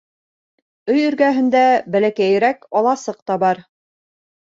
Өй эргәһендә бәләкәйерәк аласыҡ та бар.